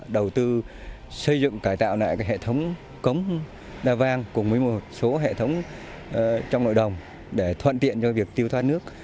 như xây dựng cải tạo lại hệ thống cống đa vang cùng với một số hệ thống trong nội đồng để thoạn tiện cho việc tiêu thoát nước